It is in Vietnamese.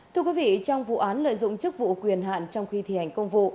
thưa quý vị trong vụ án lợi dụng chức vụ quyền hạn trong khi thi hành công vụ